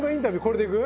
これでいく？